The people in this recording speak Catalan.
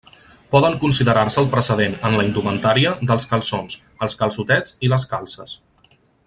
Poden considerar-se el precedent, en la indumentària, dels calçons, els calçotets i les calces.